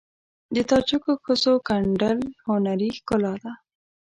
د تاجکو ښځو ګنډل هنري ښکلا ده.